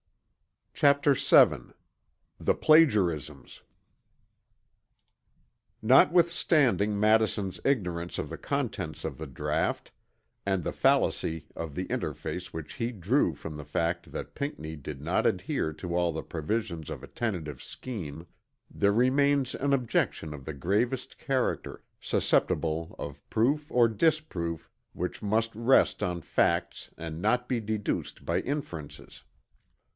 CHAPTER VII THE PLAGIARISMS Notwithstanding Madison's ignorance of the contents of the draught, and the fallacy of the inference which he drew from the fact that Pinckney did not adhere to all the provisions of a tentative scheme, there remains an objection of the gravest character, susceptible of proof or disproof which must rest on facts and not be deduced by inferences.